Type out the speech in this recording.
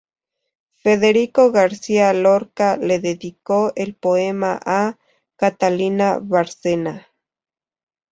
Federico García Lorca le dedicó el poema "A Catalina Bárcena".